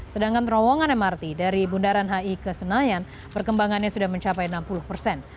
sedangkan terowongan mrt dari bundaran hi ke senayan perkembangannya sudah mencapai enam puluh persen